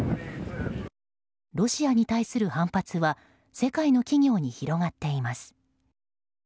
ロシアに対する反発は世界の企業に広がっています。